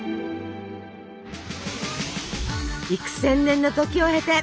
幾千年の時を経て！